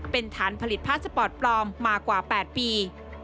เป็นฐานผลิตพาสปอร์ตปลอมมากว่า๘ปี